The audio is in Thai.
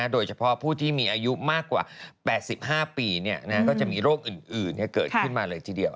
โดยเฉพาะผู้ที่มีอายุมากกว่า๘๕ปีก็จะมีโรคอื่นเกิดขึ้นมาเลยทีเดียว